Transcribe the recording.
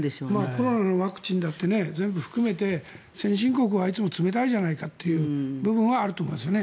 コロナのワクチンも全部含めて先進国はいつも冷たいじゃないかという部分はあると思いますね。